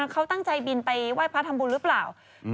เขาตั้งใจบินไปไหว้พระทำบุญหรือเปล่า